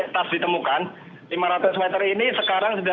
oke berdasarkan pandangan mata saya saat ini sudah berada sekitar sepuluh lima belas